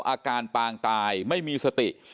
อาการปางตายไม่มีสติ